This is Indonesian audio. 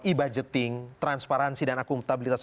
e budgeting transparansi dan akuntabilitas